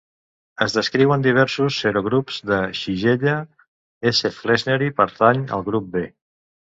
Es descriuen diversos serogrups de Shigella; S. flexneri pertany al grup "B".